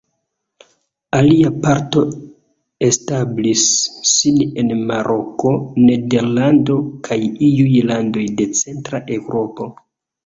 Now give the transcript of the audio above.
Alia parto establis sin en Maroko, Nederlando kaj iuj landoj de Centra Eŭropo.